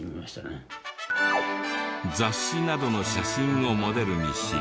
雑誌などの写真をモデルにし。